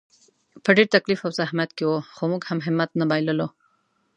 په ډېر تکلیف او زحمت کې وو، خو موږ هم همت نه بایللو.